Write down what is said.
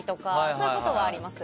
そういうことはあります。